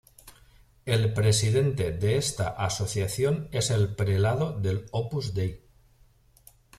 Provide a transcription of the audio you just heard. El presidente de esta asociación es el prelado del Opus Dei.